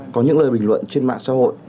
có những lời bình luận trên mạng xã hội